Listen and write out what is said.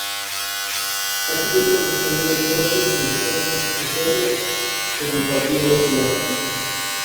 Ha sido concejal de deportes de Soria con el Partido Popular.